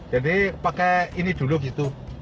jadi pakai ini dulu gitu